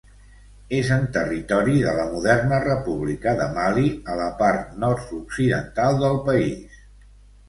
És en territori de la moderna república de Mali, a la part nord-occidental del país.